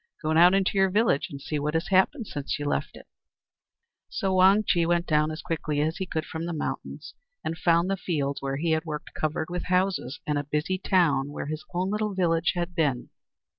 Go down into your village and see what has happened since you left it." The Sad Consequences So Wang Chih went down as quickly as he could from the mountain, and found the fields where he had worked covered with houses, and a busy town where his own little village had been.